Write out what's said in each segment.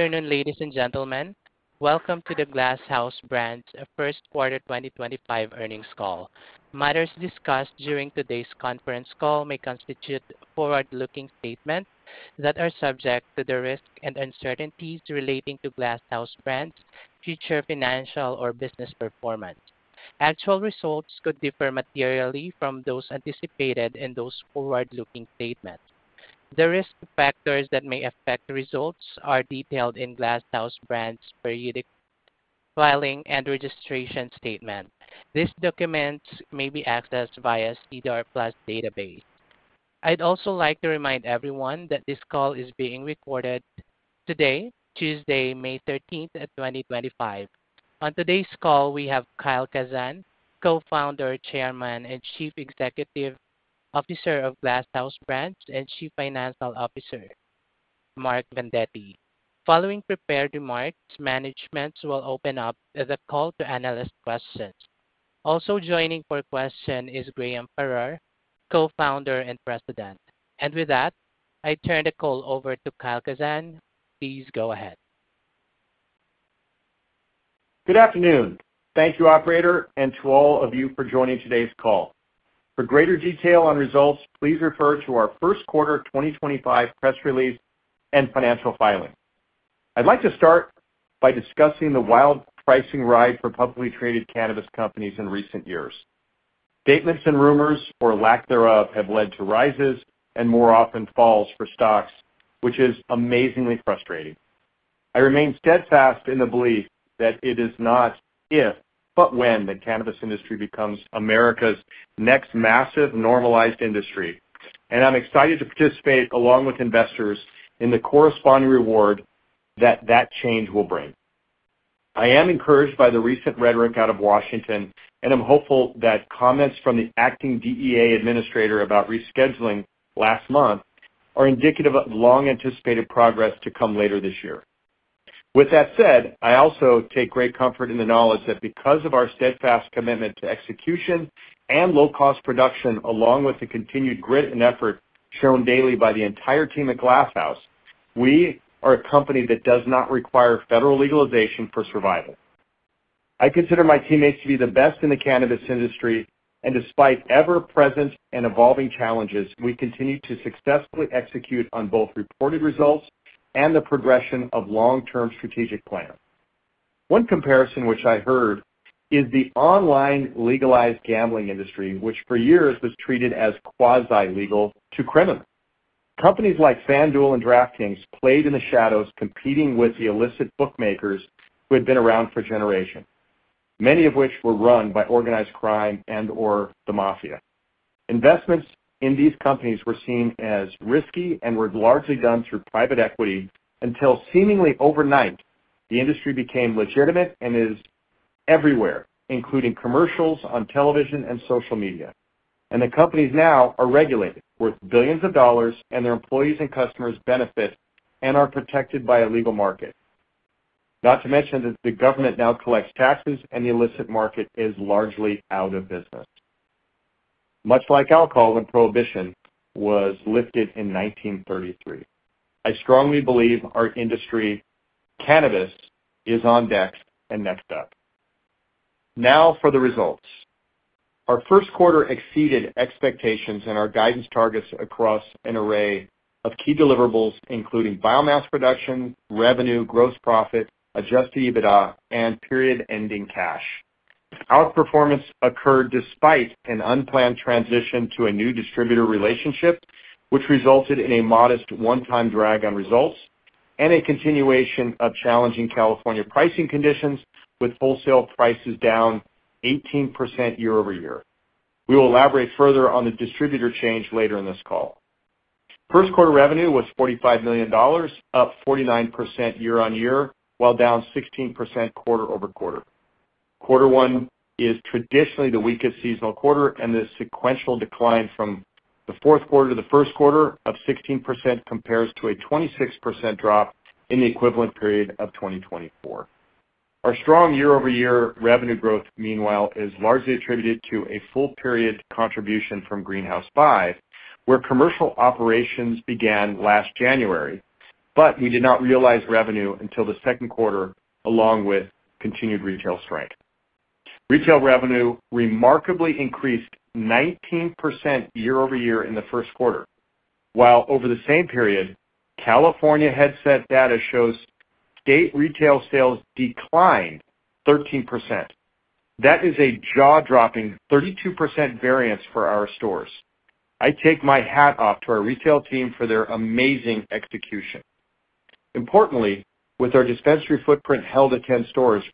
Good afternoon, ladies and gentlemen. Welcome to the Glass House Brands' first quarter 2025 earnings call. Matters discussed during today's conference call may constitute forward-looking statements that are subject to the risks and uncertainties relating to Glass House Brands' future financial or business performance. Actual results could differ materially from those anticipated in those forward-looking statements. The risk factors that may affect results are detailed in Glass House Brands' periodic filing and registration statement. These documents may be accessed via the CDR Plus database. I'd also like to remind everyone that this call is being recorded today, Tuesday, May 13, 2025. On today's call, we have Kyle Kazan, Co-founder, Chairman, and Chief Executive Officer of Glass House Brands, and Chief Financial Officer, Mark Vendetti. Following prepared remarks, management will open up the call to analyst questions. Also joining for questions is Graham Farrar, Co-founder and President. With that, I turn the call over to Kyle Kazan. Please go ahead. Good afternoon. Thank you, Operator, and to all of you for joining today's call. For greater detail on results, please refer to our first quarter 2025 press release and financial filing. I'd like to start by discussing the wild pricing ride for publicly traded cannabis companies in recent years. Statements and rumors, or lack thereof, have led to rises and more often falls for stocks, which is amazingly frustrating. I remain steadfast in the belief that it is not if, but when the cannabis industry becomes America's next massive normalized industry. I'm excited to participate, along with investors, in the corresponding reward that that change will bring. I am encouraged by the recent rhetoric out of Washington, and I'm hopeful that comments from the acting DEA administrator about rescheduling last month are indicative of long-anticipated progress to come later this year. With that said, I also take great comfort in the knowledge that because of our steadfast commitment to execution and low-cost production, along with the continued grit and effort shown daily by the entire team at Glass House Brands, we are a company that does not require federal legalization for survival. I consider my teammates to be the best in the cannabis industry, and despite ever-present and evolving challenges, we continue to successfully execute on both reported results and the progression of long-term strategic plans. One comparison which I heard is the online legalized gambling industry, which for years was treated as quasi-legal to criminal. Companies like FanDuel and DraftKings played in the shadows, competing with the illicit bookmakers who had been around for generations, many of which were run by organized crime and/or the mafia. Investments in these companies were seen as risky and were largely done through private equity until seemingly overnight the industry became legitimate and is everywhere, including commercials on television and social media. The companies now are regulated, worth billions of dollars, and their employees and customers benefit and are protected by a legal market. Not to mention that the government now collects taxes, and the illicit market is largely out of business, much like alcohol when Prohibition was lifted in 1933. I strongly believe our industry, cannabis, is on deck and next up. Now for the results. Our first quarter exceeded expectations and our guidance targets across an array of key deliverables, including biomass production, revenue, gross profit, adjusted EBITDA, and period-ending cash. Our performance occurred despite an unplanned transition to a new distributor relationship, which resulted in a modest one-time drag on results and a continuation of challenging California pricing conditions, with wholesale prices down 18% year over year. We will elaborate further on the distributor change later in this call. First quarter revenue was $45 million, up 49% year on year, while down 16% quarter over quarter. Quarter one is traditionally the weakest seasonal quarter, and the sequential decline from the fourth quarter to the first quarter of 16% compares to a 26% drop in the equivalent period of 2023. Our strong year-over-year revenue growth, meanwhile, is largely attributed to a full-period contribution from Greenhouse Five, where commercial operations began last January, but we did not realize revenue until the second quarter, along with continued retail strength. Retail revenue remarkably increased 19% year over year in the first quarter, while over the same period, California Headset data shows state retail sales declined 13%. That is a jaw-dropping 32% variance for our stores. I take my hat off to our retail team for their amazing execution. Importantly, with our dispensary footprint held at 10 stores,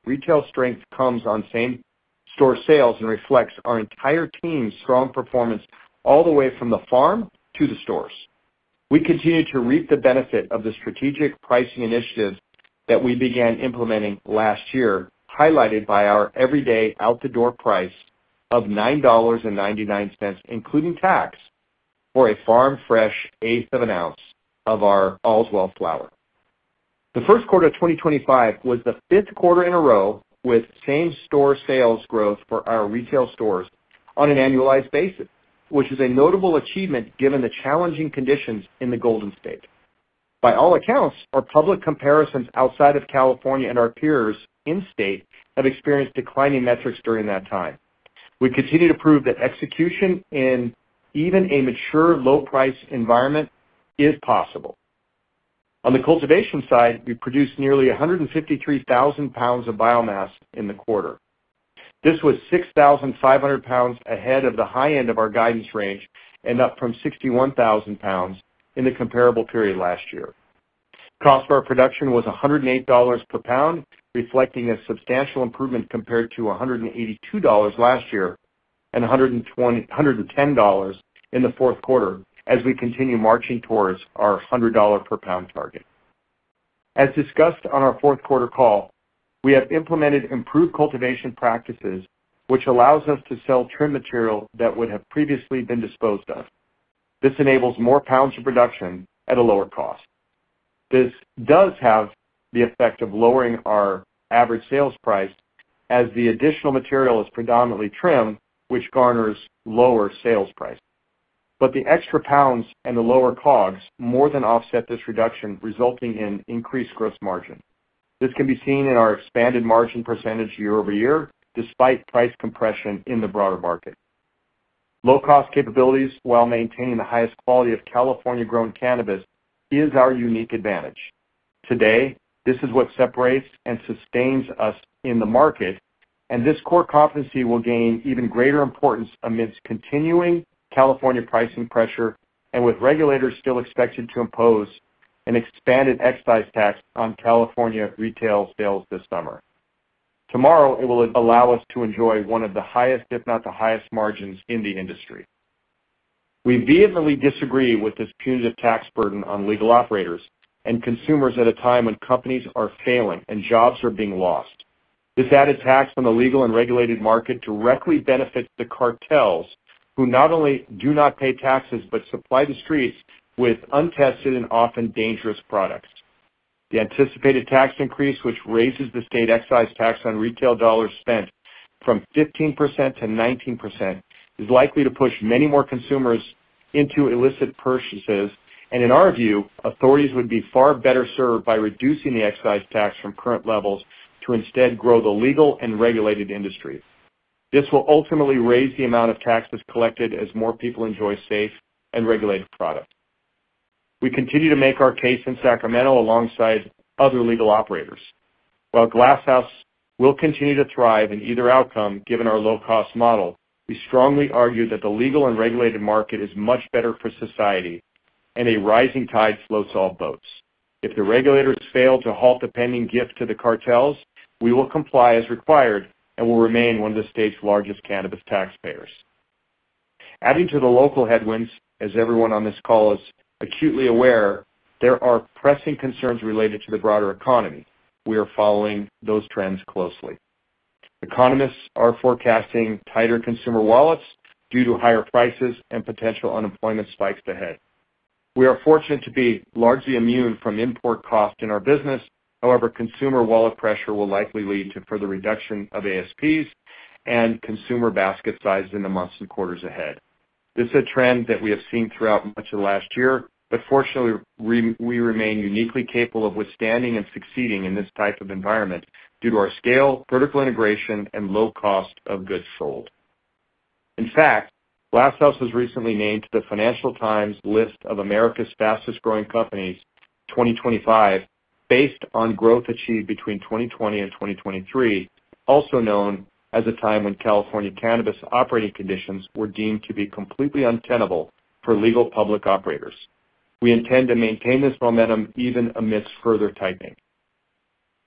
retail strength comes on same-store sales and reflects our entire team's strong performance all the way from the farm to the stores. We continue to reap the benefit of the strategic pricing initiatives that we began implementing last year, highlighted by our everyday out-the-door price of $9.99, including tax, for a farm-fresh eighth of an ounce of our Allswell flower. The first quarter of 2025 was the fifth quarter in a row with same-store sales growth for our retail stores on an annualized basis, which is a notable achievement given the challenging conditions in the Golden State. By all accounts, our public comparisons outside of California and our peers in state have experienced declining metrics during that time. We continue to prove that execution in even a mature low-price environment is possible. On the cultivation side, we produced nearly 153,000 lbs of biomass in the quarter. This was 6,500 lbs ahead of the high end of our guidance range and up from 61,000 lbs in the comparable period last year. Cost per production was $108 per lb, reflecting a substantial improvement compared to $182 last year and $110 in the fourth quarter, as we continue marching towards our $100 per lb target. As discussed on our fourth quarter call, we have implemented improved cultivation practices, which allows us to sell trim material that would have previously been disposed of. This enables more pounds of production at a lower cost. This does have the effect of lowering our average sales price, as the additional material is predominantly trim, which garners lower sales price. The extra pounds and the lower COGS more than offset this reduction, resulting in increased gross margin. This can be seen in our expanded margin percentage year over year, despite price compression in the broader market. Low-cost capabilities, while maintaining the highest quality of California-grown cannabis, is our unique advantage. Today, this is what separates and sustains us in the market, and this core competency will gain even greater importance amidst continuing California pricing pressure and with regulators still expected to impose an expanded excise tax on California retail sales this summer. Tomorrow, it will allow us to enjoy one of the highest, if not the highest, margins in the industry. We vehemently disagree with this punitive tax burden on legal operators and consumers at a time when companies are failing and jobs are being lost. This added tax on the legal and regulated market directly benefits the cartels, who not only do not pay taxes but supply the streets with untested and often dangerous products. The anticipated tax increase, which raises the state excise tax on retail dollars spent from 15% to 19%, is likely to push many more consumers into illicit purchases. In our view, authorities would be far better served by reducing the excise tax from current levels to instead grow the legal and regulated industry. This will ultimately raise the amount of taxes collected as more people enjoy safe and regulated products. We continue to make our case in Sacramento alongside other legal operators. While Glass House will continue to thrive in either outcome given our low-cost model, we strongly argue that the legal and regulated market is much better for society, and a rising tide slows all boats. If the regulators fail to halt the pending gift to the cartels, we will comply as required and will remain one of the state's largest cannabis taxpayers. Adding to the local headwinds, as everyone on this call is acutely aware, there are pressing concerns related to the broader economy. We are following those trends closely. Economists are forecasting tighter consumer wallets due to higher prices and potential unemployment spikes ahead. We are fortunate to be largely immune from import costs in our business. However, consumer wallet pressure will likely lead to further reduction of ASPs and consumer basket sizes in the months and quarters ahead. This is a trend that we have seen throughout much of the last year, but fortunately, we remain uniquely capable of withstanding and succeeding in this type of environment due to our scale, vertical integration, and low cost of goods sold. In fact, Glass House Brands was recently named to the Financial Times list of America's fastest-growing companies 2025, based on growth achieved between 2020 and 2023, also known as a time when California cannabis operating conditions were deemed to be completely untenable for legal public operators. We intend to maintain this momentum even amidst further tightening.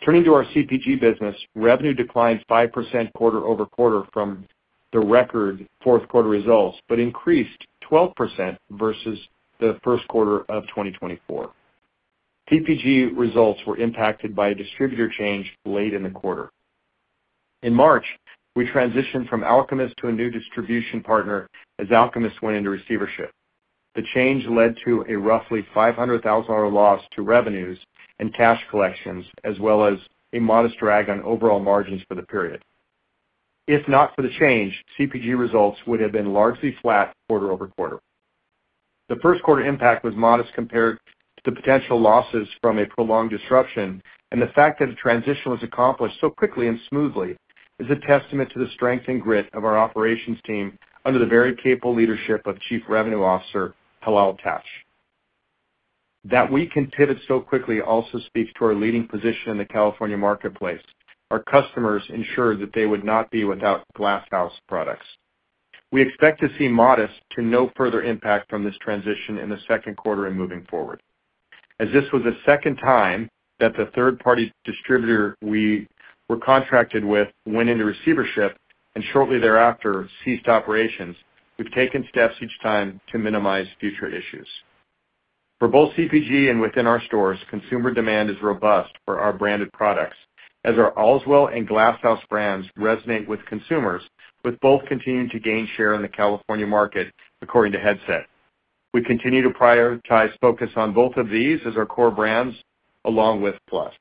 Turning to our CPG business, revenue declined 5% quarter over quarter from the record fourth quarter results, but increased 12% versus the first quarter of 2024. CPG results were impacted by a distributor change late in the quarter. In March, we transitioned from Alchemist to a new distribution partner as Alchemist went into receivership. The change led to a roughly $500,000 loss to revenues and cash collections, as well as a modest drag on overall margins for the period. If not for the change, CPG results would have been largely flat quarter over quarter. The first quarter impact was modest compared to the potential losses from a prolonged disruption, and the fact that the transition was accomplished so quickly and smoothly is a testament to the strength and grit of our operations team under the very capable leadership of Chief Revenue Officer Hilal Tabsh. That we can pivot so quickly also speaks to our leading position in the California marketplace. Our customers ensured that they would not be without Glass House products. We expect to see modest to no further impact from this transition in the second quarter and moving forward. As this was the second time that the third-party distributor we were contracted with went into receivership and shortly thereafter ceased operations, we've taken steps each time to minimize future issues. For both CPG and within our stores, consumer demand is robust for our branded products, as our Allswell and Glass House brands resonate with consumers, with both continuing to gain share in the California market, according to Headset. We continue to prioritize focus on both of these as our core brands, along with Plus.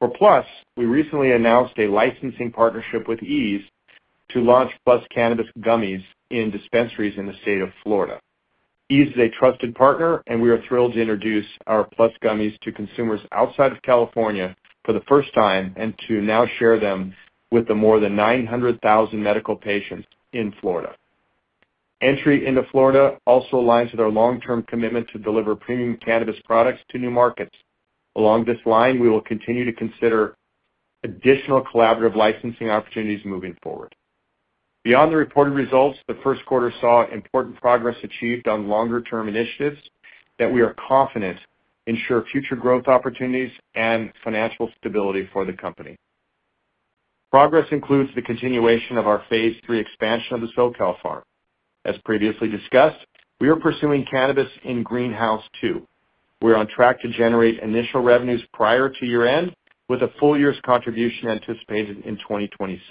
For Plus, we recently announced a licensing partnership with Ease to launch Plus Cannabis Gummies in dispensaries in the state of Florida. Ease is a trusted partner, and we are thrilled to introduce our Plus Gummies to consumers outside of California for the first time and to now share them with the more than 900,000 medical patients in Florida. Entry into Florida also aligns with our long-term commitment to deliver premium cannabis products to new markets. Along this line, we will continue to consider additional collaborative licensing opportunities moving forward. Beyond the reported results, the first quarter saw important progress achieved on longer-term initiatives that we are confident ensure future growth opportunities and financial stability for the company. Progress includes the continuation of our phase three expansion of the SoCal Farm. As previously discussed, we are pursuing cannabis in Greenhouse Two. We're on track to generate initial revenues prior to year-end, with a full year's contribution anticipated in 2026.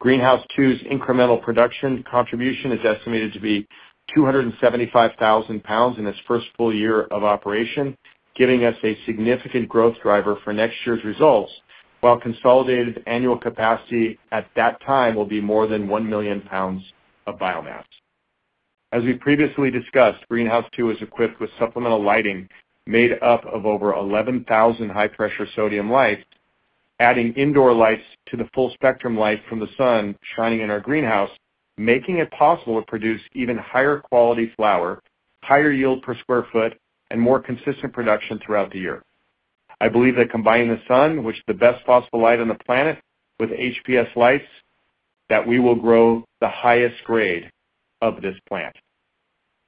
Greenhouse Two's incremental production contribution is estimated to be $275,000 in its first full year of operation, giving us a significant growth driver for next year's results, while consolidated annual capacity at that time will be more than $1 million of biomass. As we previously discussed, Greenhouse Two is equipped with supplemental lighting made up of over 11,000 high-pressure sodium lights, adding indoor lights to the full-spectrum light from the sun shining in our greenhouse, making it possible to produce even higher quality flower, higher yield per square foot, and more consistent production throughout the year. I believe that combining the sun, which is the best possible light on the planet, with HPS lights, that we will grow the highest grade of this plant.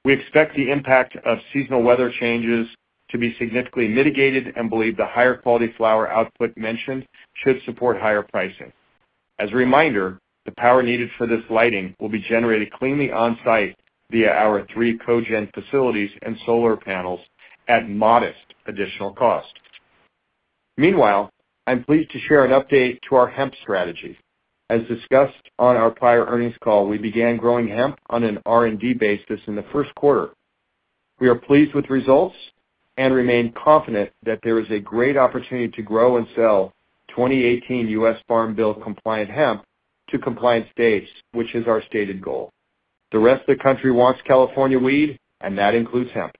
We expect the impact of seasonal weather changes to be significantly mitigated and believe the higher quality flower output mentioned should support higher pricing. As a reminder, the power needed for this lighting will be generated cleanly on-site via our three cogen facilities and solar panels at modest additional cost. Meanwhile, I'm pleased to share an update to our hemp strategy. As discussed on our prior earnings call, we began growing hemp on an R&D basis in the first quarter. We are pleased with results and remain confident that there is a great opportunity to grow and sell 2018 U.S. Farm Bill-compliant hemp to compliance dates, which is our stated goal. The rest of the country wants California weed, and that includes hemp.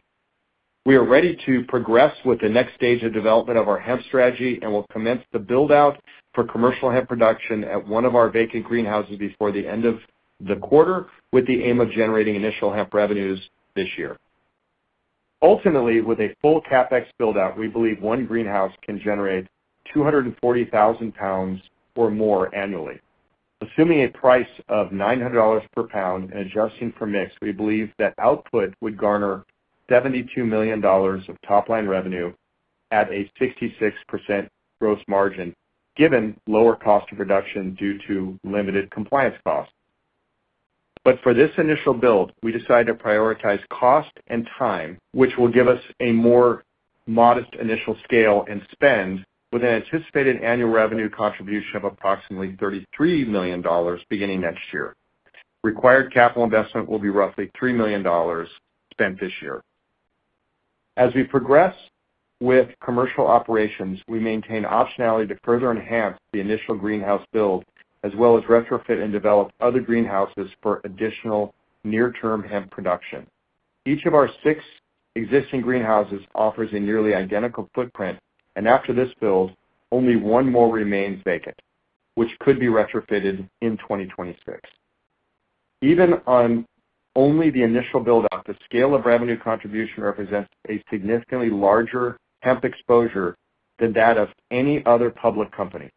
We are ready to progress with the next stage of development of our hemp strategy and will commence the build-out for commercial hemp production at one of our vacant greenhouses before the end of the quarter, with the aim of generating initial hemp revenues this year. Ultimately, with a full CapEx build-out, we believe one greenhouse can generate $240,000 or more annually. Assuming a price of $900 per pound and adjusting for mix, we believe that output would garner $72 million of top-line revenue at a 66% gross margin, given lower cost of production due to limited compliance costs. For this initial build, we decided to prioritize cost and time, which will give us a more modest initial scale and spend, with an anticipated annual revenue contribution of approximately $33 million beginning next year. Required capital investment will be roughly $3 million spent this year. As we progress with commercial operations, we maintain optionality to further enhance the initial greenhouse build, as well as retrofit and develop other greenhouses for additional near-term hemp production. Each of our six existing greenhouses offers a nearly identical footprint, and after this build, only one more remains vacant, which could be retrofitted in 2026. Even on only the initial build-out, the scale of revenue contribution represents a significantly larger hemp exposure than that of any other public company.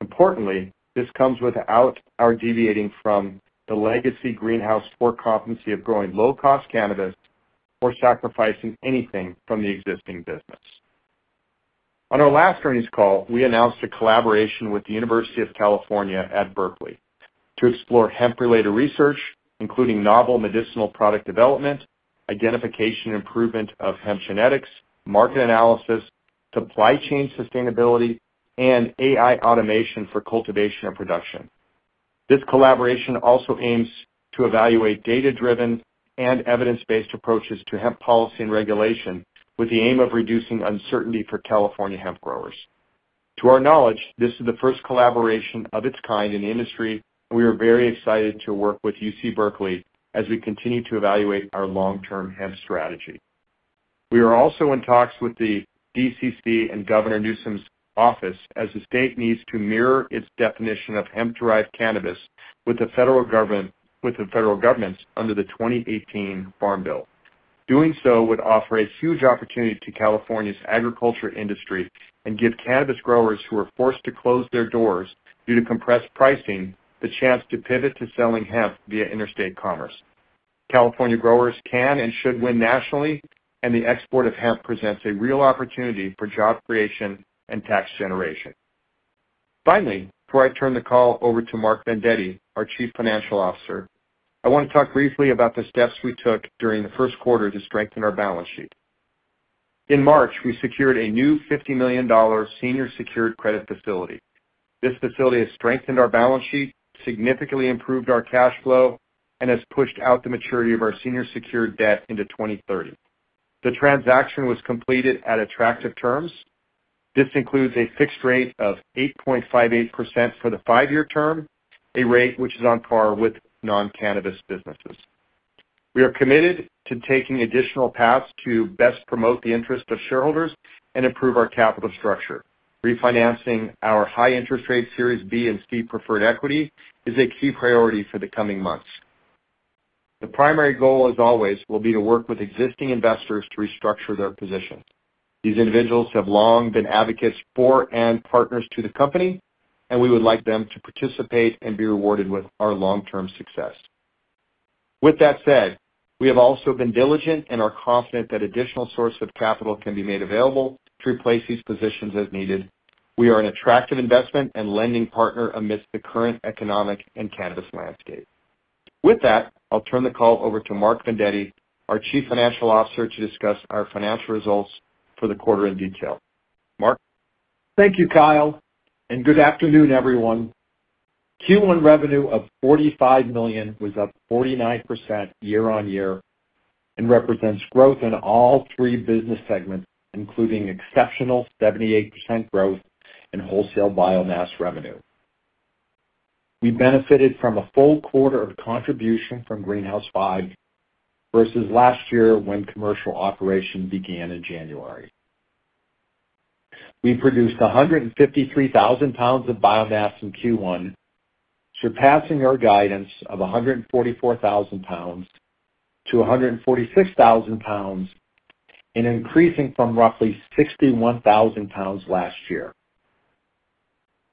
Importantly, this comes without our deviating from the legacy greenhouse core competency of growing low-cost cannabis or sacrificing anything from the existing business. On our last earnings call, we announced a collaboration with the University of California, Berkeley to explore hemp-related research, including novel medicinal product development, identification and improvement of hemp genetics, market analysis, supply chain sustainability, and AI automation for cultivation and production. This collaboration also aims to evaluate data-driven and evidence-based approaches to hemp policy and regulation, with the aim of reducing uncertainty for California hemp growers. To our knowledge, this is the first collaboration of its kind in the industry, and we are very excited to work with the University of California, Berkeley as we continue to evaluate our long-term hemp strategy. We are also in talks with the DCC and Governor Newsom's office as the state needs to mirror its definition of hemp-derived cannabis with the federal government's under the 2018 U.S. Farm Bill. Doing so would offer a huge opportunity to California's agriculture industry and give cannabis growers who are forced to close their doors due to compressed pricing the chance to pivot to selling hemp via interstate commerce. California growers can and should win nationally, and the export of hemp presents a real opportunity for job creation and tax generation. Finally, before I turn the call over to Mark Vendetti, our Chief Financial Officer, I want to talk briefly about the steps we took during the first quarter to strengthen our balance sheet. In March, we secured a new $50 million senior secured credit facility. This facility has strengthened our balance sheet, significantly improved our cash flow, and has pushed out the maturity of our senior secured debt into 2030. The transaction was completed at attractive terms. This includes a fixed rate of 8.58% for the five-year term, a rate which is on par with non-cannabis businesses. We are committed to taking additional paths to best promote the interest of shareholders and improve our capital structure. Refinancing our high-interest rate Series B and C preferred equity is a key priority for the coming months. The primary goal, as always, will be to work with existing investors to restructure their position. These individuals have long been advocates for and partners to the company, and we would like them to participate and be rewarded with our long-term success. With that said, we have also been diligent and are confident that additional sources of capital can be made available to replace these positions as needed. We are an attractive investment and lending partner amidst the current economic and cannabis landscape. With that, I'll turn the call over to Mark Vendetti, our Chief Financial Officer, to discuss our financial results for the quarter in detail. Mark. Thank you, Kyle, and good afternoon, everyone. Q1 revenue of $45 million was up 49% year-on-year and represents growth in all three business segments, including exceptional 78% growth in wholesale biomass revenue. We benefited from a full quarter of contribution from Greenhouse Five versus last year when commercial operation began in January. We produced 153,000 pounds of biomass in Q1, surpassing our guidance of 144,000-146,000 pounds and increasing from roughly 61,000 pounds last year.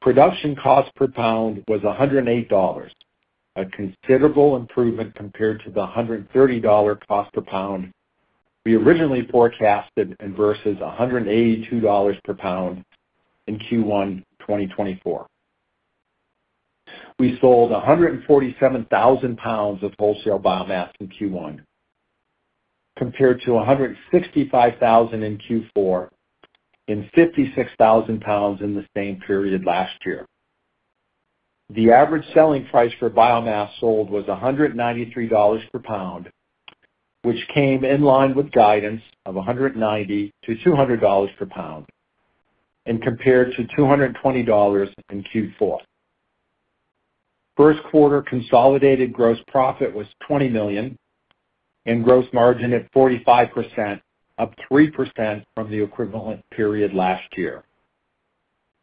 Production cost per pound was $108, a considerable improvement compared to the $130 cost per pound we originally forecasted versus $182 per pound in Q1 2024. We sold 147,000 pounds of wholesale biomass in Q1, compared to 165,000 in Q4 and 56,000 pounds in the same period last year. The average selling price for biomass sold was $193 per pound, which came in line with guidance of $190-200 per pound and compared to $220 in Q4. First quarter consolidated gross profit was $20 million and gross margin at 45%, up 3% from the equivalent period last year.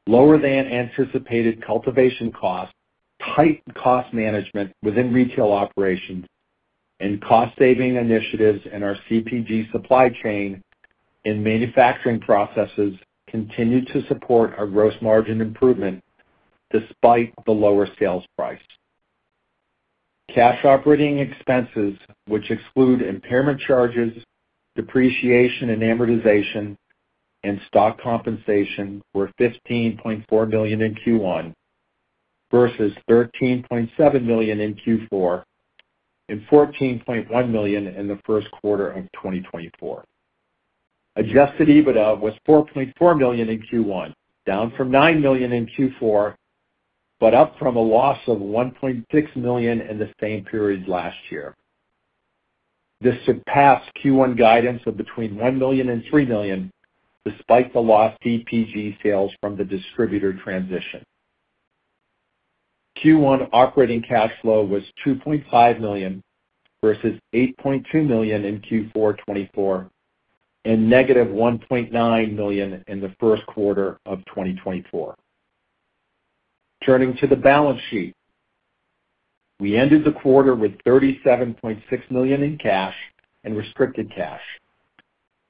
Lower than anticipated cultivation costs, tightened cost management within retail operations, and cost-saving initiatives in our CPG supply chain and manufacturing processes continue to support our gross margin improvement despite the lower sales price. Cash operating expenses, which exclude impairment charges, depreciation and amortization, and stock compensation, were $15.4 million in Q1 versus $13.7 million in Q4 and $14.1 million in the first quarter of 2024. Adjusted EBITDA was $4.4 million in Q1, down from $9 million in Q4, but up from a loss of $1.6 million in the same period last year. This surpassed Q1 guidance of between $1 million and $3 million despite the lost CPG sales from the distributor transition. Q1 operating cash flow was $2.5 million versus $8.2 million in Q4 2024 and negative $1.9 million in the first quarter of 2024. Turning to the balance sheet, we ended the quarter with $37.6 million in cash and restricted cash,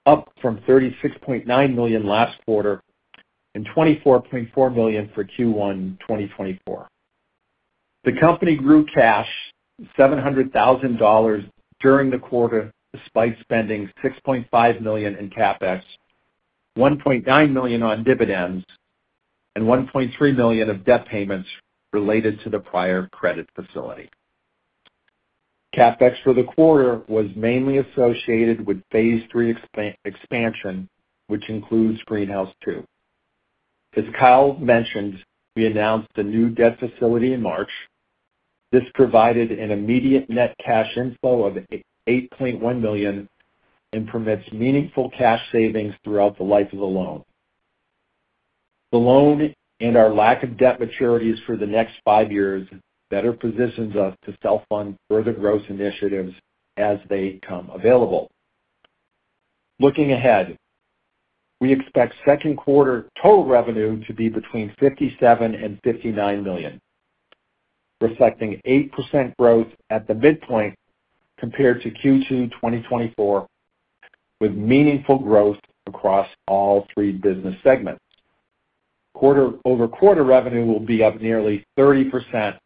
up from $36.9 million last quarter and $24.4 million for Q1 2024. The company grew cash $700,000 during the quarter despite spending $6.5 million in CapEx, $1.9 million on dividends, and $1.3 million of debt payments related to the prior credit facility. CapEx for the quarter was mainly associated with phase three expansion, which includes Greenhouse Two. As Kyle mentioned, we announced a new debt facility in March. This provided an immediate net cash inflow of $8.1 million and permits meaningful cash savings throughout the life of the loan. The loan and our lack of debt maturities for the next five years better positions us to self-fund further growth initiatives as they become available. Looking ahead, we expect second quarter total revenue to be between $57 million and $59 million, reflecting 8% growth at the midpoint compared to Q2 2024, with meaningful growth across all three business segments. Quarter-over-quarter revenue will be up nearly 30%,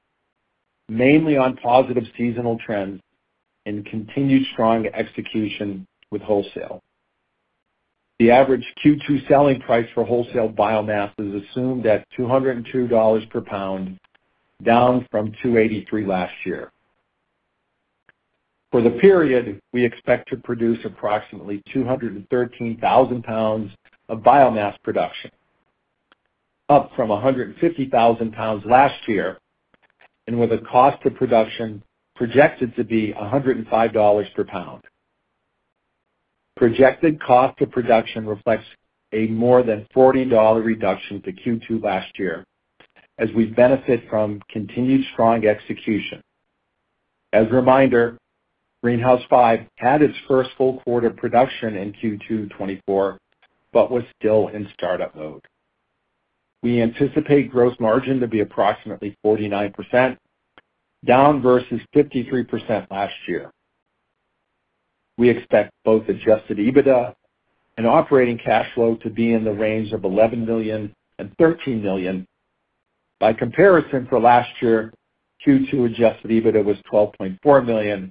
mainly on positive seasonal trends and continued strong execution with wholesale. The average Q2 selling price for wholesale biomass is assumed at $202 per pound, down from $283 last year. For the period, we expect to produce approximately 213,000 pounds of biomass production, up from 150,000 pounds last year and with a cost of production projected to be $105 per pound. Projected cost of production reflects a more than $40 reduction to Q2 last year, as we benefit from continued strong execution. As a reminder, Greenhouse Five had its first full quarter production in Q2 2024 but was still in startup mode. We anticipate gross margin to be approximately 49%, down versus 53% last year. We expect both adjusted EBITDA and operating cash flow to be in the range of $11 million-$13 million. By comparison for last year, Q2 adjusted EBITDA was $12.4 million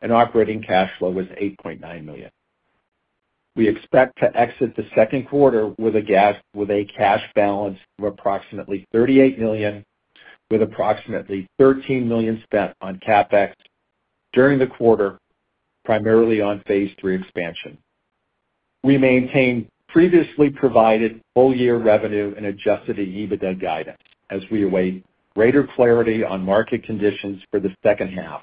and operating cash flow was $8.9 million. We expect to exit the second quarter with a cash balance of approximately $38 million, with approximately $13 million spent on CapEx during the quarter, primarily on phase three expansion. We maintain previously provided full-year revenue and adjusted EBITDA guidance as we await greater clarity on market conditions for the second half,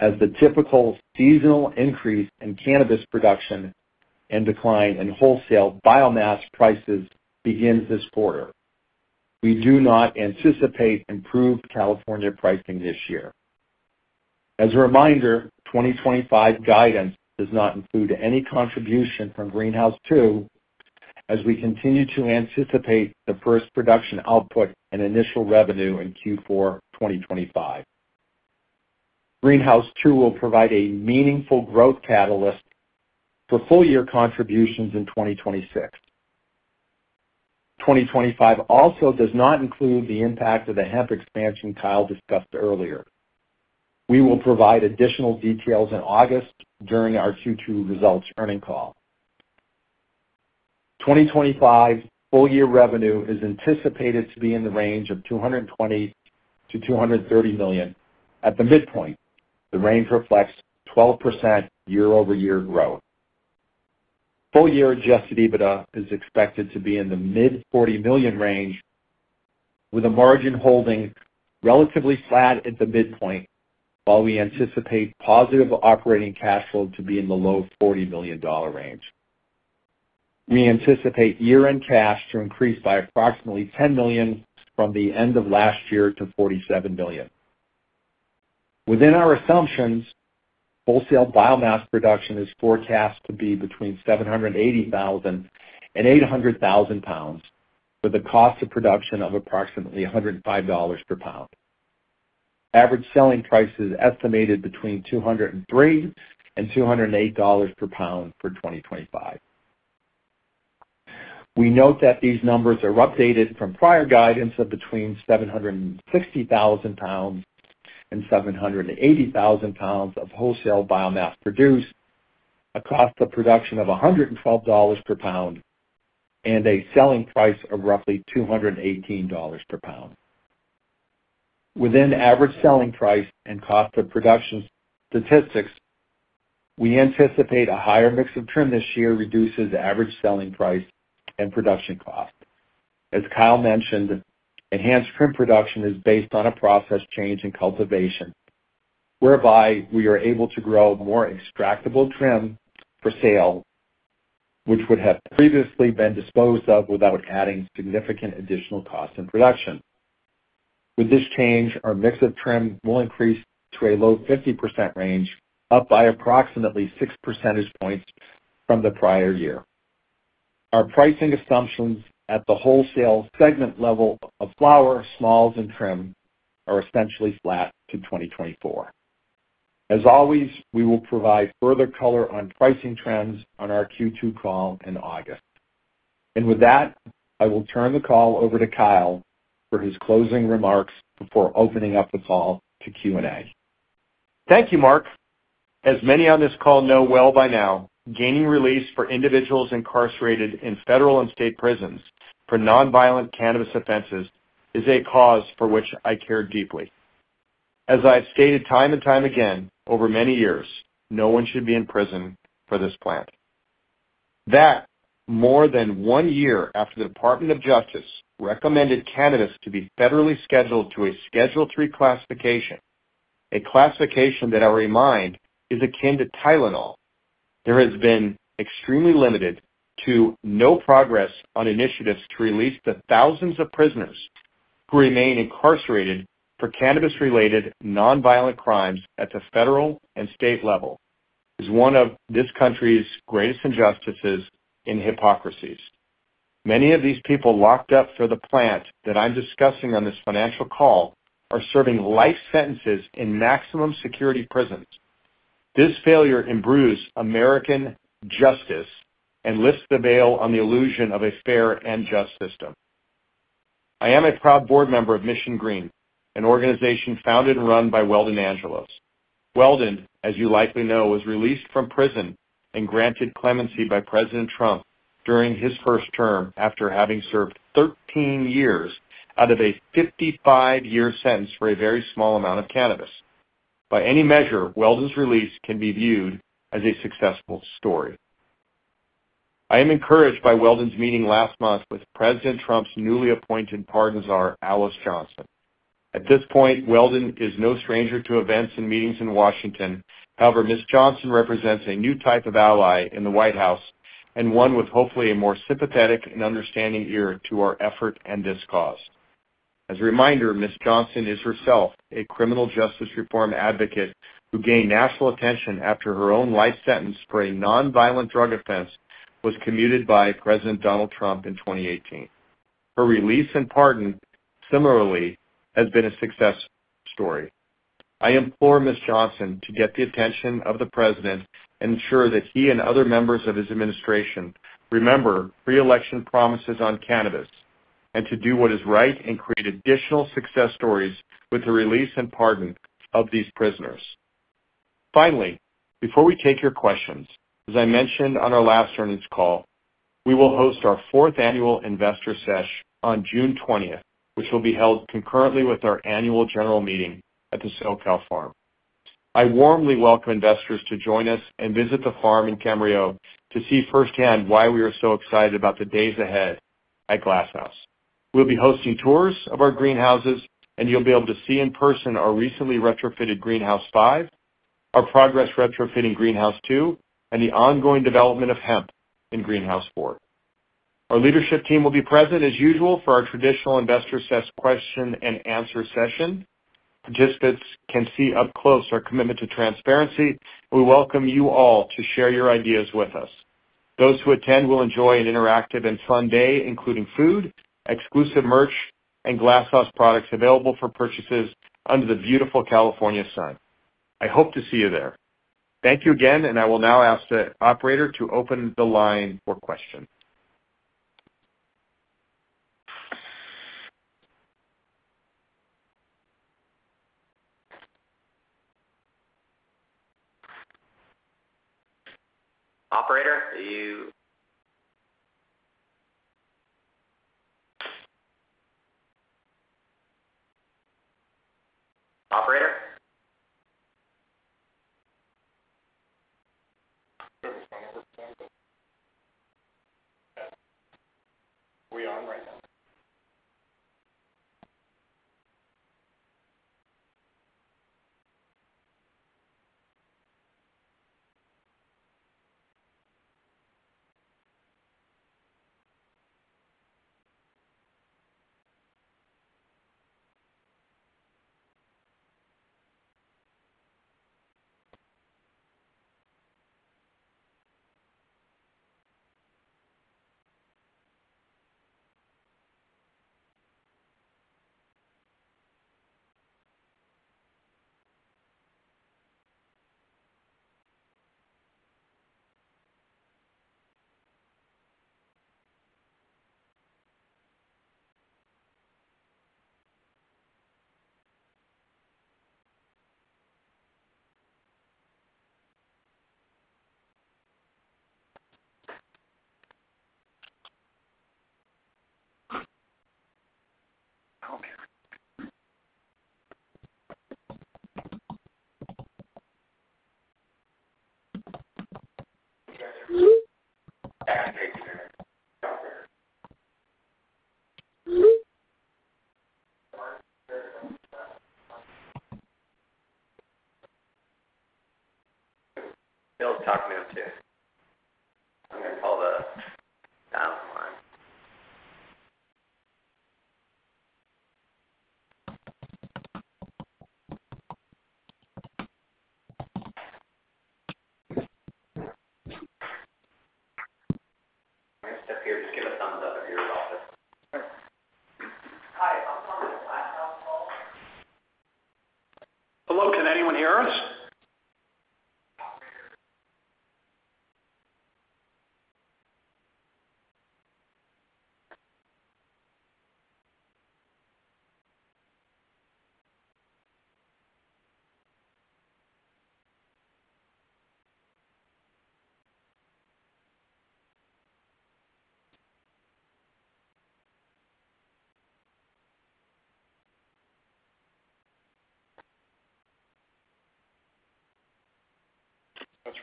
as the typical seasonal increase in cannabis production and decline in wholesale biomass prices begins this quarter. We do not anticipate improved California pricing this year. As a reminder, 2025 guidance does not include any contribution from Greenhouse Two, as we continue to anticipate the first production output and initial revenue in Q4 2025. Greenhouse Two will provide a meaningful growth catalyst for full-year contributions in 2026. 2025 also does not include the impact of the hemp expansion Kyle discussed earlier. We will provide additional details in August during our Q2 results earning call. 2025 full-year revenue is anticipated to be in the range of $220 million-$230 million at the midpoint. The range reflects 12% year-over-year growth. Full-year adjusted EBITDA is expected to be in the mid-$40 million range, with a margin holding relatively flat at the midpoint, while we anticipate positive operating cash flow to be in the low $40 million range. We anticipate year-end cash to increase by approximately $10 million from the end of last year to $47 million. Within our assumptions, wholesale biomass production is forecast to be between $780,000 and $800,000, with a cost of production of approximately $105 per pound. Average selling price is estimated between $203 and $208 per pound for 2025. We note that these numbers are updated from prior guidance of between $760,000 and $780,000 of wholesale biomass produced across the production of $112 per pound and a selling price of roughly $218 per pound. Within average selling price and cost of production statistics, we anticipate a higher mix of trim this year reduces average selling price and production cost. As Kyle mentioned, enhanced trim production is based on a process change in cultivation, whereby we are able to grow more extractable trim for sale, which would have previously been disposed of without adding significant additional cost in production. With this change, our mix of trim will increase to a low 50% range, up by approximately 6 percentage points from the prior year. Our pricing assumptions at the wholesale segment level of flower, smalls, and trim are essentially flat to 2024. As always, we will provide further color on pricing trends on our Q2 call in August. I will turn the call over to Kyle for his closing remarks before opening up the call to Q&A. Thank you, Mark. As many on this call know well by now, gaining release for individuals incarcerated in federal and state prisons for nonviolent cannabis offenses is a cause for which I care deeply. As I have stated time and time again over many years, no one should be in prison for this plant. That, more than one year after the Department of Justice recommended cannabis to be federally scheduled to a Schedule III classification, a classification that, I remind, is akin to Tylenol, there has been extremely limited to no progress on initiatives to release the thousands of prisoners who remain incarcerated for cannabis-related nonviolent crimes at the federal and state level, is one of this country's greatest injustices and hypocrisies. Many of these people locked up for the plant that I'm discussing on this financial call are serving life sentences in maximum security prisons. This failure imbrues American justice and lifts the veil on the illusion of a fair and just system. I am a proud board member of Mission Green, an organization founded and run by Weldon Angelos. Weldon, as you likely know, was released from prison and granted clemency by President Trump during his first term after having served 13 years out of a 55-year sentence for a very small amount of cannabis. By any measure, Weldon's release can be viewed as a successful story. I am encouraged by Weldon's meeting last month with President Trump's newly appointed partner, Alice Johnson. At this point, Weldon is no stranger to events and meetings in Washington. However, Ms. Johnson represents a new type of ally in the White House and one with hopefully a more sympathetic and understanding ear to our effort and this cause. As a reminder, Ms. Johnson is herself a criminal justice reform advocate who gained national attention after her own life sentence for a nonviolent drug offense was commuted by President Donald Trump in 2018. Her release and pardon, similarly, has been a success story. I implore Ms. Johnson to get the attention of the President and ensure that he and other members of his administration remember pre-election promises on cannabis and to do what is right and create additional success stories with the release and pardon of these prisoners. Finally, before we take your questions, as I mentioned on our last earnings call, we will host our fourth annual investor sesh on June 20th, which will be held concurrently with our annual general meeting at the SoCal Farm. I warmly welcome investors to join us and visit the farm in Camarillo to see firsthand why we are so excited about the days ahead at Glass House Brands. We'll be hosting tours of our greenhouses, and you'll be able to see in person our recently retrofitted Greenhouse Five, our progress retrofitting Greenhouse Two, and the ongoing development of hemp in Greenhouse Four. Our leadership team will be present, as usual, for our traditional investor sesh question and answer session. Participants can see up close our commitment to transparency, and we welcome you all to share your ideas with us. Those who attend will enjoy an interactive and fun day, including food, exclusive merch, and Glass House products available for purchases under the beautiful California sun. I hope to see you there. Thank you again, and I will now ask the operator to open the line for questions. Operator, are you—just give a thumbs up if you're in the office. Hi, I'm on the Glass House call. Hello, can anyone hear us? That's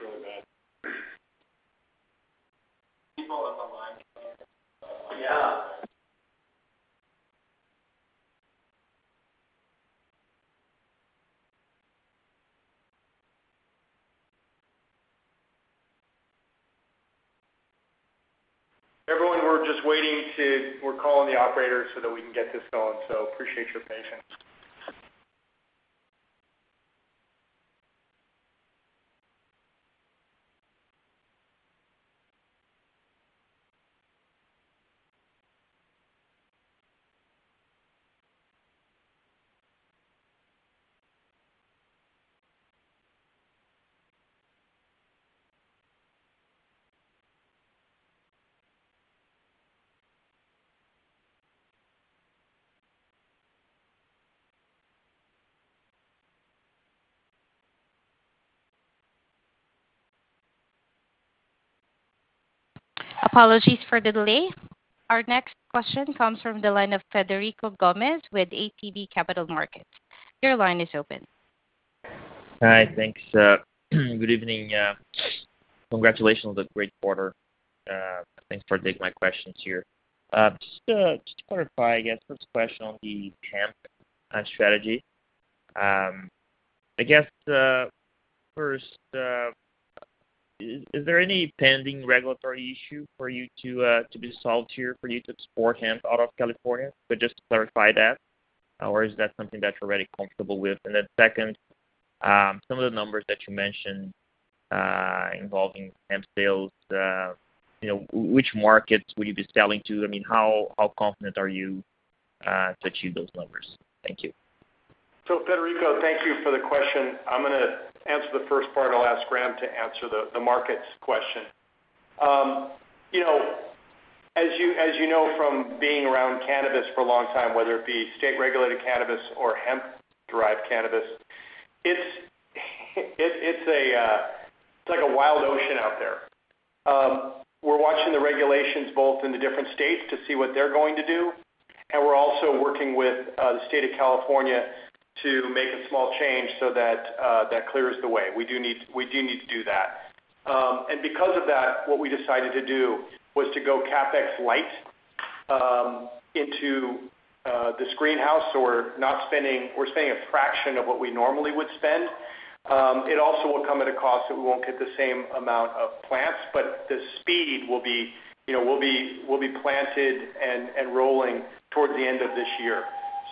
really bad. People on the line. Yeah. Everyone, we're just waiting to—we're calling the operator so that we can get this going, so appreciate your patience. Apologies for the delay. Our next question comes from the line of Federico Gomes with ATB Capital. Your line is open. Hi, thanks. Good evening. Congratulations on the great quarter. Thanks for taking my questions here. Just to clarify, I guess, first question on the hemp strategy. I guess, first, is there any pending regulatory issue for you to be solved here for you to export hemp out of California? Just to clarify that. Or is that something that you're already comfortable with? Then second, some of the numbers that you mentioned involving hemp sales, which markets would you be selling to? I mean, how confident are you to achieve those numbers? Thank you. Federico, thank you for the question. I'm going to answer the first part. I'll ask Graham to answer the markets question. As you know from being around cannabis for a long time, whether it be state-regulated cannabis or hemp-derived cannabis, it's like a wild ocean out there. We're watching the regulations both in the different states to see what they're going to do, and we're also working with the state of California to make a small change so that that clears the way. We do need to do that. Because of that, what we decided to do was to go CapEx light into this greenhouse, so we're spending a fraction of what we normally would spend. It also will come at a cost that we won't get the same amount of plants, but the speed will be planted and rolling towards the end of this year.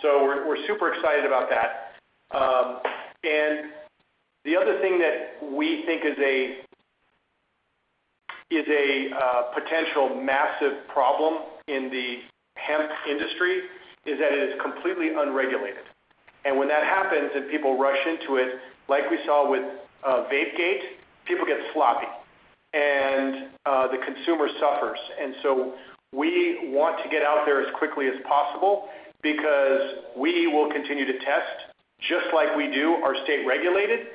We're super excited about that. The other thing that we think is a potential massive problem in the hemp industry is that it is completely unregulated. When that happens and people rush into it, like we saw with WaveGate, people get sloppy, and the consumer suffers. We want to get out there as quickly as possible because we will continue to test, just like we do our state-regulated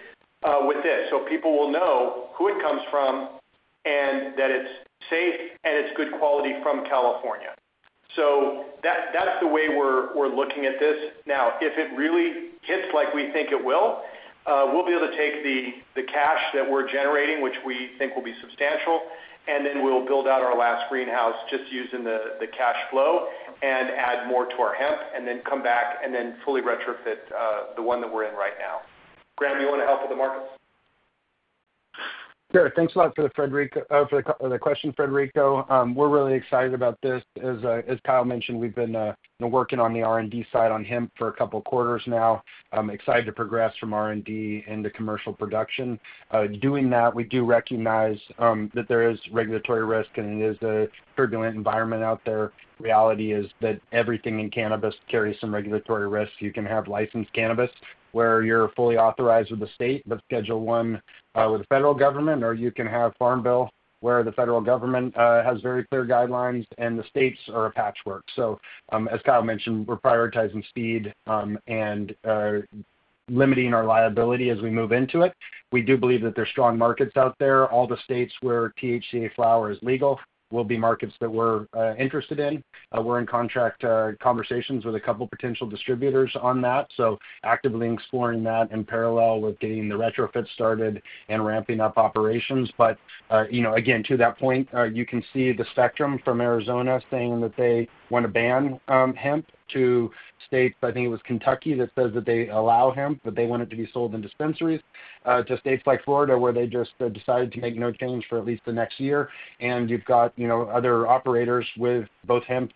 with this. People will know who it comes from and that it is safe and it is good quality from California. That is the way we are looking at this. Now, if it really hits like we think it will, we'll be able to take the cash that we're generating, which we think will be substantial, and then we'll build out our last greenhouse just using the cash flow and add more to our hemp and then come back and then fully retrofit the one that we're in right now. Graham, do you want to help with the markets? Sure. Thanks a lot for the question, Federico. We're really excited about this. As Kyle mentioned, we've been working on the R&D side on hemp for a couple of quarters now. I'm excited to progress from R&D into commercial production. Doing that, we do recognize that there is regulatory risk, and it is a turbulent environment out there. Reality is that everything in cannabis carries some regulatory risk. You can have licensed cannabis where you're fully authorized with the state, but Schedule I with the federal government, or you can have Farm Bill where the federal government has very clear guidelines, and the states are a patchwork. As Kyle mentioned, we're prioritizing speed and limiting our liability as we move into it. We do believe that there are strong markets out there. All the states where THCA flower is legal will be markets that we're interested in. We're in contract conversations with a couple of potential distributors on that, actively exploring that in parallel with getting the retrofit started and ramping up operations. Again, to that point, you can see the spectrum from Arizona saying that they want to ban hemp to states. I think it was Kentucky that says that they allow hemp, but they want it to be sold in dispensaries to states like Florida where they just decided to make no change for at least the next year. You have other operators with both hemp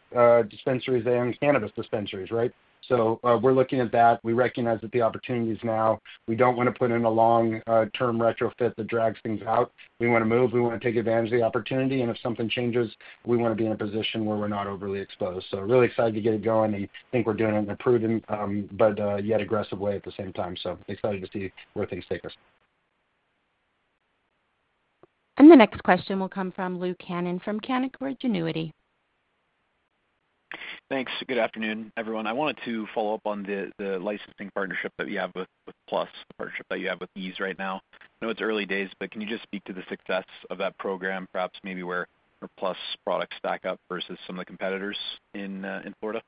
dispensaries and cannabis dispensaries, right? We are looking at that. We recognize that the opportunity is now. We do not want to put in a long-term retrofit that drags things out. We want to move. We want to take advantage of the opportunity. If something changes, we want to be in a position where we are not overly exposed. Really excited to get it going and think we are doing it in a prudent but yet aggressive way at the same time. Excited to see where things take us. The next question will come from Luke Cannon from Canaccord Genuity. Thanks. Good afternoon, everyone. I wanted to follow up on the licensing partnership that you have with Plus, the partnership that you have with Ease right now. I know it's early days, but can you just speak to the success of that program, perhaps maybe where Plus products stack up versus some of the competitors in Florida?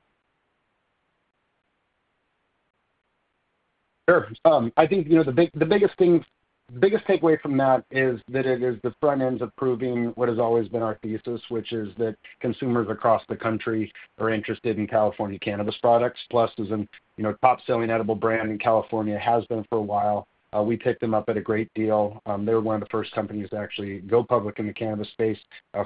Sure. I think the biggest takeaway from that is that it is the front ends of proving what has always been our thesis, which is that consumers across the country are interested in California cannabis products. Plus is a top-selling edible brand in California and has been for a while. We picked them up at a great deal. They were one of the first companies to actually go public in the cannabis space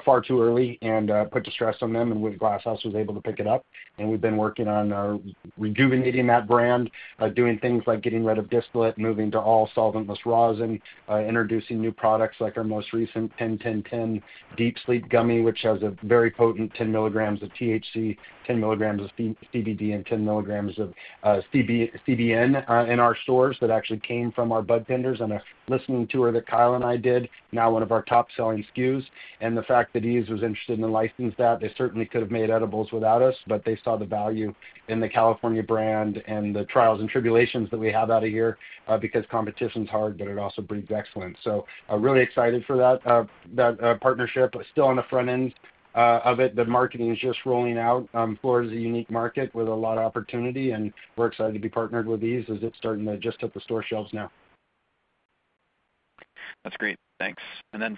far too early and put the stress on them, and Glass House was able to pick it up. We have been working on rejuvenating that brand, doing things like getting rid of displit, moving to all solventless rosin, introducing new products like our most recent 10-10-10 deep sleep gummy, which has a very potent 10 milligrams of THC, 10 milligrams of CBD, and 10 milligrams of CBN in our stores that actually came from our bud tenders. Listening to her that Kyle and I did, now one of our top-selling SKUs, and the fact that Ease was interested in licensing that, they certainly could have made edibles without us, but they saw the value in the California brand and the trials and tribulations that we have out of here because competition is hard, but it also breeds excellence. Really excited for that partnership. Still on the front end of it, the marketing is just rolling out. Florida is a unique market with a lot of opportunity, and we're excited to be partnered with Ease as it's starting to just hit the store shelves now. That's great. Thanks.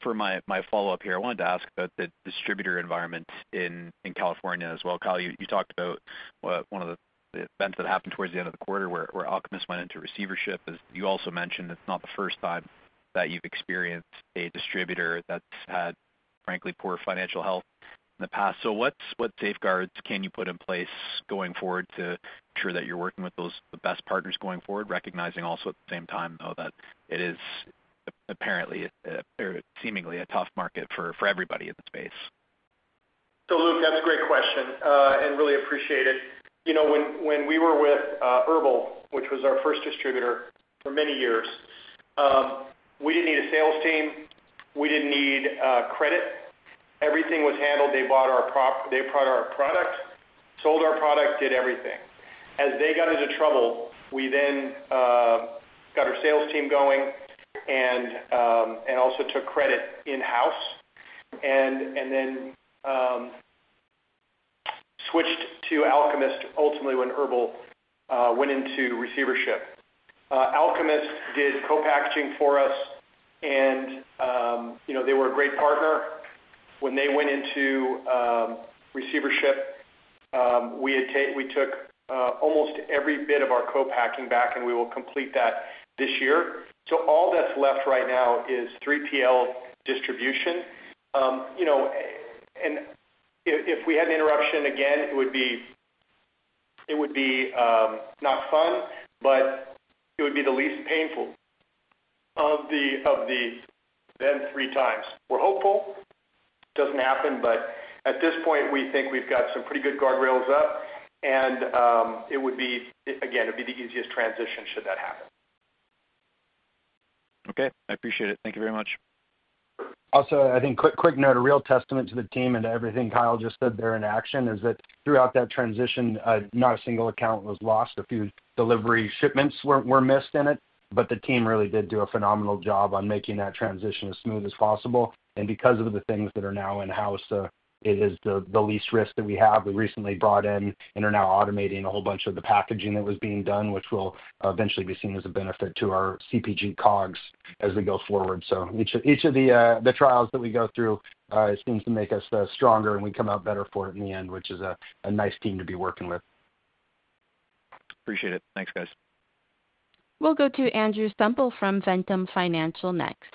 For my follow-up here, I wanted to ask about the distributor environment in California as well. Kyle, you talked about one of the events that happened towards the end of the quarter where Alchemist went into receivership. As you also mentioned, it's not the first time that you've experienced a distributor that's had, frankly, poor financial health in the past. What safeguards can you put in place going forward to ensure that you're working with the best partners going forward, recognizing also at the same time, though, that it is apparently or seemingly a tough market for everybody in the space? Luke, that's a great question and really appreciate it. When we were with Herbal, which was our first distributor for many years, we did not need a sales team. We did not need credit. Everything was handled. They brought our product, sold our product, did everything. As they got into trouble, we then got our sales team going and also took credit in-house and then switched to Alchemist ultimately when Herbal went into receivership. Alchemist did co-packaging for us, and they were a great partner. When they went into receivership, we took almost every bit of our co-packing back, and we will complete that this year. All that is left right now is 3PL distribution. If we had an interruption again, it would be not fun, but it would be the least painful of the three times. We're hopeful it doesn't happen, but at this point, we think we've got some pretty good guardrails up, and again, it'd be the easiest transition should that happen. Okay. I appreciate it. Thank you very much. Also, I think quick note, a real testament to the team and to everything Kyle just said there in action is that throughout that transition, not a single account was lost. A few delivery shipments were missed in it, but the team really did do a phenomenal job on making that transition as smooth as possible. Because of the things that are now in-house, it is the least risk that we have. We recently brought in and are now automating a whole bunch of the packaging that was being done, which will eventually be seen as a benefit to our CPG COGS as we go forward. Each of the trials that we go through seems to make us stronger, and we come out better for it in the end, which is a nice team to be working with. Appreciate it. Thanks, guys. We'll go to Andrew Stempel from Ventum Financial next.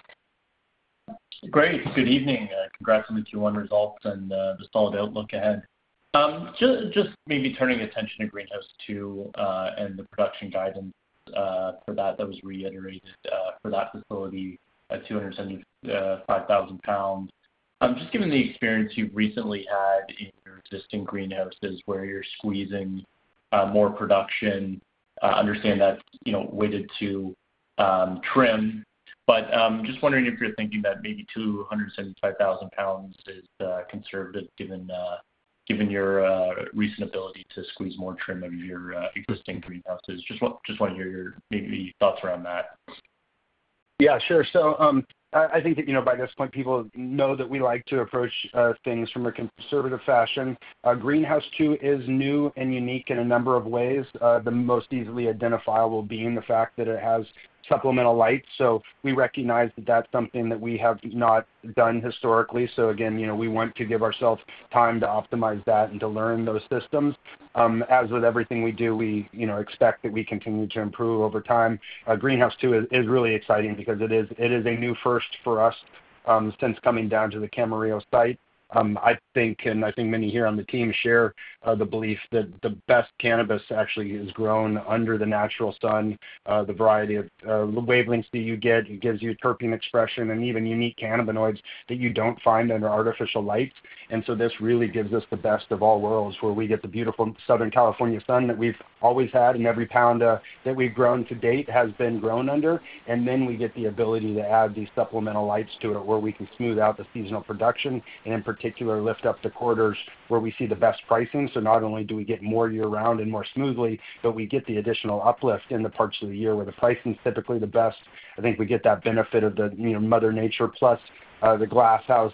Great. Good evening. Congratulations on results and the solid outlook ahead. Maybe turning attention to greenhouse two and the production guidance for that that was reiterated for that facility at 275,000 lbs. Given the experience you've recently had in your existing greenhouses where you're squeezing more production, understand that weighted to trim. Just wondering if you're thinking that maybe 275,000 lbs is conservative given your recent ability to squeeze more trim out of your existing greenhouses. Just want to hear thoughts around that. Yeah, sure. I think that by this point, people know that we like to approach things from a conservative fashion. Our greenhouse two is new and unique in a number of ways. The most easily identifiable being the fact that it has supplemental lights. We recognize that that's something that we have not done historically. Again, we want to give ourselves time to optimize that and to learn those systems. As with everything we do, we expect that we continue to improve over time. Greenhouse two is really exciting because it is a new first for us since coming down to the Camarillo site. I think, and I think many here on the team share the belief that the best cannabis actually is grown under the natural sun. The variety of wavelengths that you get, it gives you terpene expression and even unique cannabinoids that you do not find under artificial lights. This really gives us the best of all worlds where we get the beautiful Southern California sun that we have always had, and every pound that we have grown to date has been grown under. We get the ability to add these supplemental lights to it where we can smooth out the seasonal production and, in particular, lift up the quarters where we see the best pricing. Not only do we get more year-round and more smoothly, but we get the additional uplift in the parts of the year where the price is typically the best. I think we get that benefit of the Mother Nature Plus, the Glass House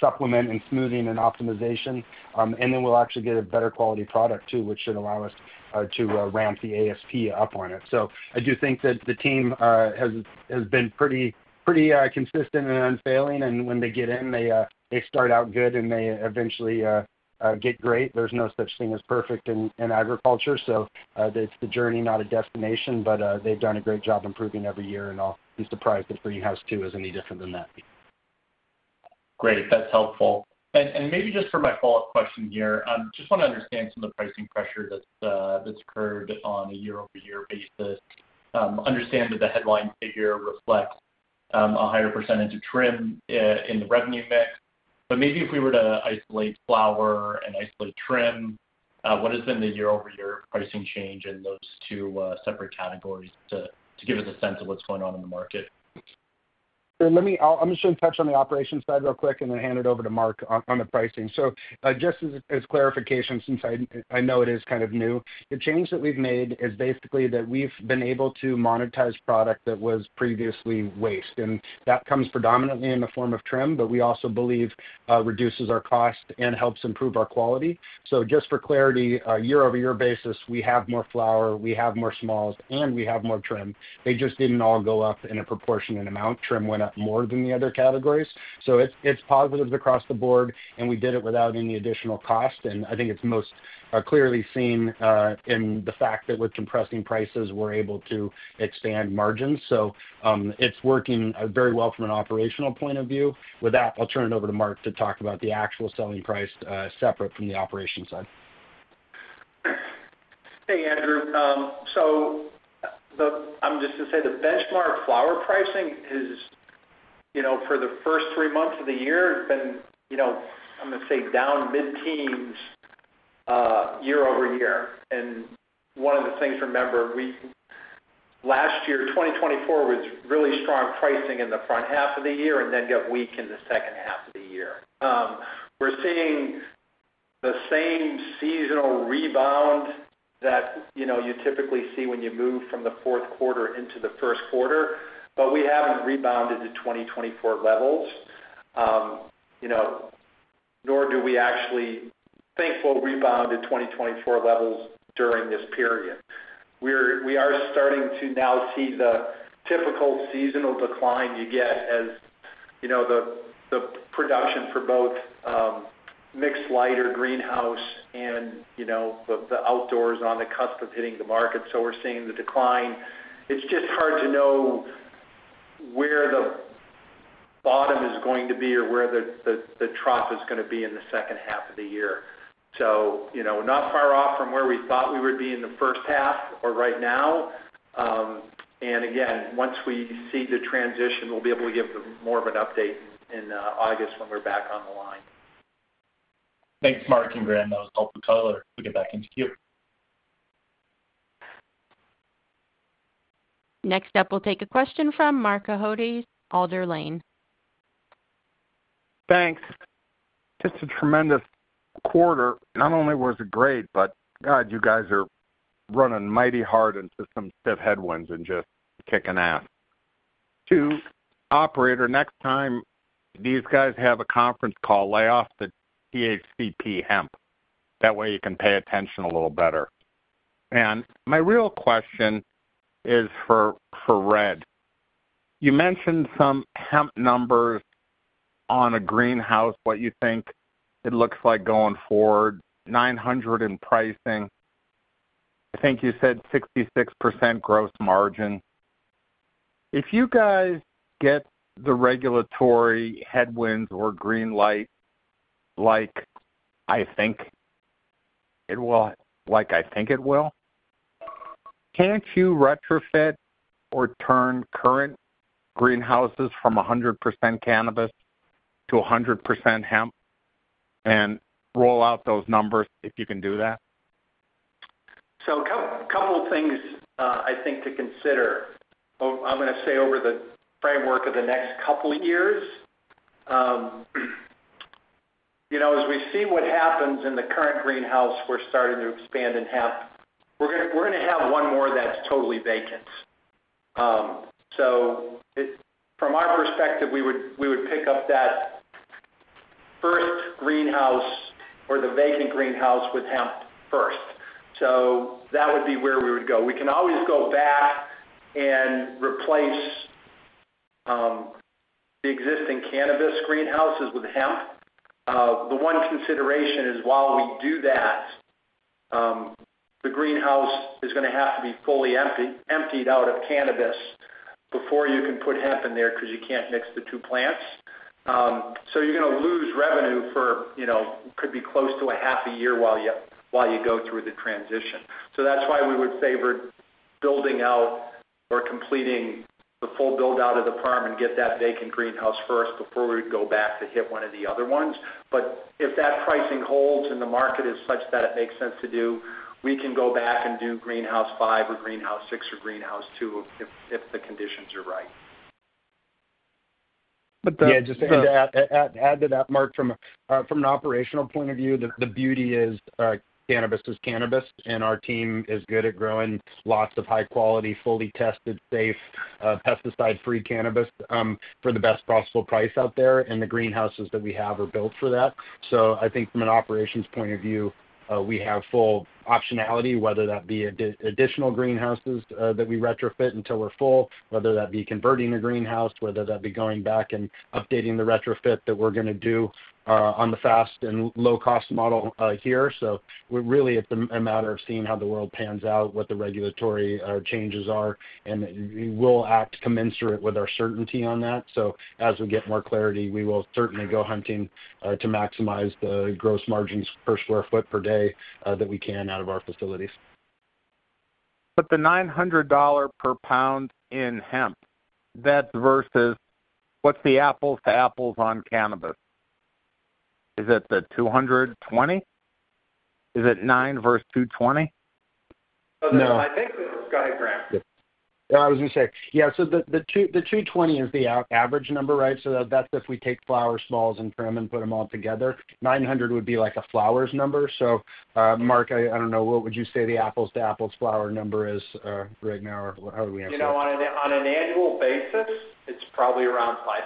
supplement and smoothing and optimization. We'll actually get a better quality product too, which should allow us to ramp the ASP up on it. I do think that the team has been pretty consistent and unfailing. When they get in, they start out good, and they eventually get great. There's no such thing as perfect in agriculture. It's the journey, not a destination, but they've done a great job improving every year, and I'll be surprised if greenhouse two is any different than that. Great. That's helpful. Maybe just for my follow-up question here, I just want to understand some of the pricing pressure that's occurred on a year-over-year basis. I understand that the headline figure reflects a higher percentage of trim in the revenue mix. Maybe if we were to isolate flower and isolate trim, what has been the year-over-year pricing change in those two separate categories to give us a sense of what's going on in the market? I'm just going to touch on the operations side real quick and then hand it over to Mark on the pricing. Just as clarification, since I know it is kind of new, the change that we've made is basically that we've been able to monetize product that was previously waste. That comes predominantly in the form of trim, but we also believe it reduces our cost and helps improve our quality. Just for clarity, on a year-over-year basis, we have more flower, we have more smalls, and we have more trim. They just did not all go up in a proportionate amount. Trim went up more than the other categories. It is positives across the board, and we did it without any additional cost. I think it is most clearly seen in the fact that with compressing prices, we are able to expand margins. It is working very well from an operational point of view. With that, I will turn it over to Mark to talk about the actual selling price separate from the operation side. Hey, Andrew. I am just going to say the benchmark flower pricing has for the first three months of the year been, I am going to say, down mid-teens year-over-year. One of the things to remember, last year, 2024, was really strong pricing in the front half of the year and then got weak in the second half of the year. We're seeing the same seasonal rebound that you typically see when you move from the fourth quarter into the first quarter, but we haven't rebounded to 2024 levels, nor do we actually think we'll rebound to 2024 levels during this period. We are starting to now see the typical seasonal decline you get as the production for both mixed light or greenhouse and the outdoors on the cusp of hitting the market. We're seeing the decline. It's just hard to know where the bottom is going to be or where the trough is going to be in the second half of the year. Not far off from where we thought we would be in the first half or right now. Again, once we see the transition, we'll be able to give more of an update in August when we're back on the line. Thanks, Mark. Graham, that was helpful. Kyle, we'll get back into Q. Next up, we'll take a question from Marco Hodes, Alder Lane. Thanks. Just a tremendous quarter. Not only was it great, but God, you guys are running mighty hard into some stiff headwinds and just kicking ass. To operator, next time these guys have a conference call, lay off the THCP hemp. That way you can pay attention a little better. My real question is for Red. You mentioned some hemp numbers on a greenhouse, what you think it looks like going forward, $900 in pricing. I think you said 66% gross margin. If you guys get the regulatory headwinds or green light, like I think it will, can't you retrofit or turn current greenhouses from 100% cannabis to 100% hemp and roll out those numbers if you can do that? A couple of things I think to consider. I'm going to say over the framework of the next couple of years, as we see what happens in the current greenhouse, we're starting to expand in hemp. We're going to have one more that's totally vacant. From our perspective, we would pick up that first greenhouse or the vacant greenhouse with hemp first. That would be where we would go. We can always go back and replace the existing cannabis greenhouses with hemp. The one consideration is while we do that, the greenhouse is going to have to be fully emptied out of cannabis before you can put hemp in there because you can't mix the two plants. You're going to lose revenue for it could be close to half a year while you go through the transition. That is why we would favor building out or completing the full build-out of the farm and get that vacant greenhouse first before we would go back to hit one of the other ones. If that pricing holds and the market is such that it makes sense to do, we can go back and do greenhouse five or greenhouse six or greenhouse two if the conditions are right. Yeah. Just to add to that, Mark, from an operational point of view, the beauty is cannabis is cannabis, and our team is good at growing lots of high-quality, fully tested, safe, pesticide-free cannabis for the best possible price out there. The greenhouses that we have are built for that. I think from an operations point of view, we have full optionality, whether that be additional greenhouses that we retrofit until we are full, whether that be converting a greenhouse, whether that be going back and updating the retrofit that we are going to do on the fast and low-cost model here. It is really a matter of seeing how the world pans out, what the regulatory changes are, and we will act commensurate with our certainty on that. As we get more clarity, we will certainly go hunting to maximize the gross margins per sq ft per day that we can out of our facilities. The $900 per pound in hemp, that is versus what is the apples-to-apples on cannabis? Is it the 220? Is it 9 versus 220? No. I think that is—go ahead, Graham. I was going to say, yeah. The 220 is the average number, right? That's if we take flower smalls and trim and put them all together. $900 would be like a flower's number. Mark, I don't know. What would you say the apples-to-apples flower number is right now? How do we answer that? On an annual basis, it's probably around $500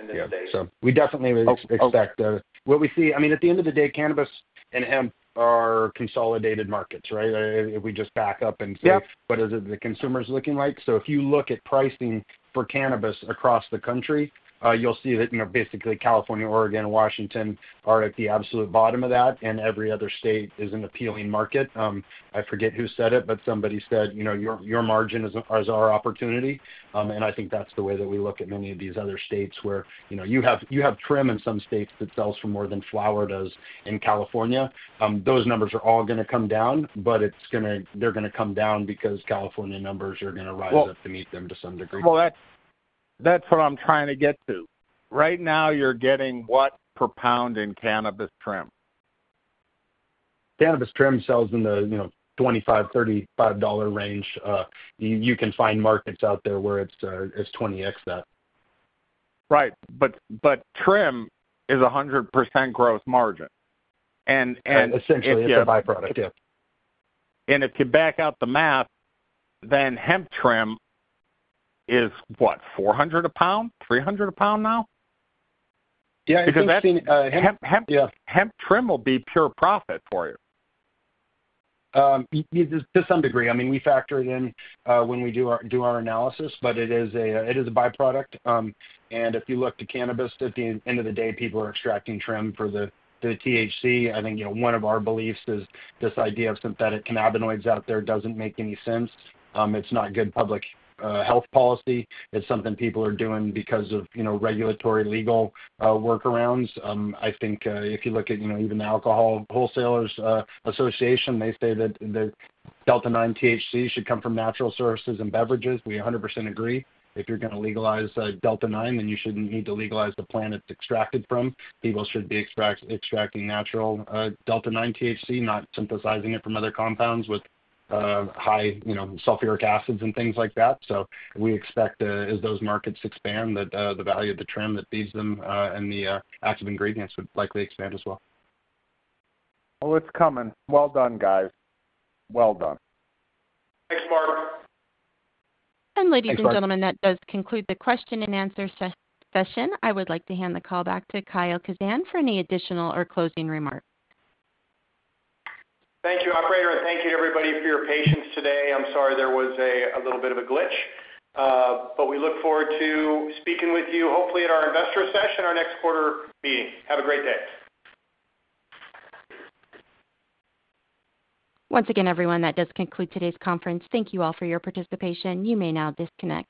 in this day. We definitely expect what we see. I mean, at the end of the day, cannabis and hemp are consolidated markets, right? If we just back up and say, what is it the consumer's looking like? If you look at pricing for cannabis across the country, you'll see that basically California, Oregon, and Washington are at the absolute bottom of that, and every other state is an appealing market. I forget who said it, but somebody said, "Your margin is our opportunity." I think that's the way that we look at many of these other states where you have trim in some states that sells for more than flower does in California. Those numbers are all going to come down, but they're going to come down because California numbers are going to rise up to meet them to some degree. That's what I'm trying to get to. Right now, you're getting what per pound in cannabis trim? Cannabis trim sells in the $25-$35 range. You can find markets out there where it's 20x that. Right. Trim is 100% gross margin. Essentially, it's a byproduct. Yeah. If you back out the math, then hemp trim is what, $400 a pound, $300 a pound now? Yeah. Hemp trim will be pure profit for you. To some degree. I mean, we factor it in when we do our analysis, but it is a byproduct. If you look to cannabis, at the end of the day, people are extracting trim for the THC. I think one of our beliefs is this idea of synthetic cannabinoids out there does not make any sense. It is not good public health policy. It is something people are doing because of regulatory legal workarounds. I think if you look at even the Alcohol Wholesalers Association, they say that the Delta-9 THC should come from natural sources and beverages. We 100% agree. If you are going to legalize Delta-9, then you should not need to legalize the plant it is extracted from. People should be extracting natural Delta-9 THC, not synthesizing it from other compounds with high sulfuric acids and things like that. We expect, as those markets expand, that the value of the trim that feeds them and the active ingredients would likely expand as well. It is coming. Well done, guys. Well done. Thanks, Mark. Ladies and gentlemen, that does conclude the question and answer session. I would like to hand the call back to Kyle Kazan for any additional or closing remarks. Thank you, operator. Thank you to everybody for your patience today. I'm sorry there was a little bit of a glitch, but we look forward to speaking with you, hopefully at our investor session or next quarter meeting. Have a great day. Once again, everyone, that does conclude today's conference. Thank you all for your participation. You may now disconnect.